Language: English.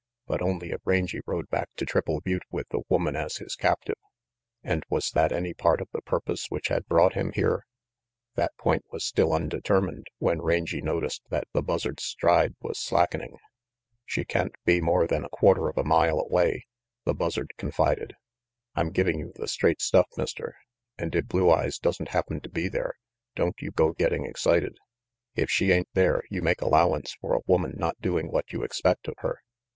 But only if Rangy rode back to Triple Butte with the woman as his captive. And was that any part of the purpose which had brought him here? That point was still undetermined when Rangy noticed that the Buzzard's stride was slackening. 106 RANGY PETE "She can't be more than a quarter of a mile away, 3 the Buzzard confided. "I'm giving you the straight stuff, Mister, and if Blue Eyes doesn't happen to be there, don't you go getting excited. If she ain't there, you make allowance for a woman not doing what you expect of her.